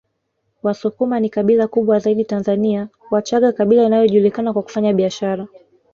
Wasukuma ni kabila kubwa zaidi Tanzania Wachaga kabila inayojulikana kwa kufanya biashara